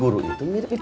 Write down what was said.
karena grape yaudah